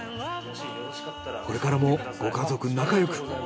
これからもご家族仲よく。